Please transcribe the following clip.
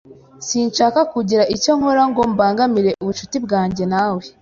Sinshaka kugira icyo nkora ngo mbangamire ubucuti bwanjye nawe.